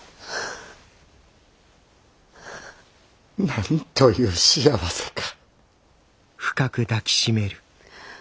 なんという幸せか！